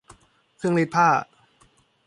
เครื่องรีดผ้า